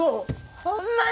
ほんまに？